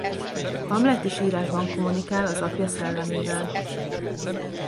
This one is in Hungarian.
Hamlet is írásban kommunikál az apja szellemével.